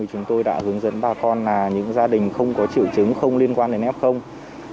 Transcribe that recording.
chúng tôi đã hướng dẫn bà con là những gia đình không có triệu chứng không liên quan đến f